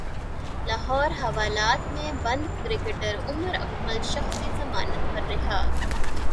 لاہور حوالات مں بند کرکٹر عمر اکمل شخصی ضمانت پر رہا